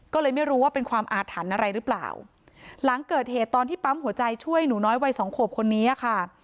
ก็เลยไม่รู้ว่าเป็นความอาถรรพ์อะไรหรือเปล่าหลังเกิดเหตุตอนที่ปั๊มหัวใจช่วยหนูน้อยวัยสองขวบคนนี้ค่ะ